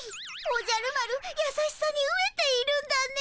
おじゃる丸優しさにうえているんだね。